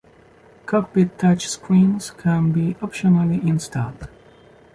Cockpit touch screens can be optionally installed.